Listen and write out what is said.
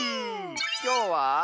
きょうは。